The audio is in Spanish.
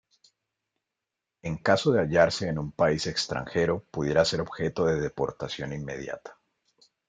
En caso de hallarse en un país extranjero pudiera ser objeto de deportación inmediata.